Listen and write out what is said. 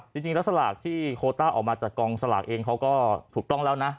จริงแล้วสลากที่โคต้าออกมาจากกองสลากเองเขาก็ถูกต้องแล้วนะ